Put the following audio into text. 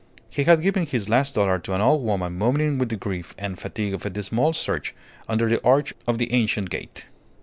He had given his last dollar to an old woman moaning with the grief and fatigue of a dismal search under the arch of the ancient gate.